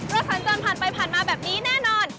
สัญจรผ่านไปผ่านมาแบบนี้แน่นอน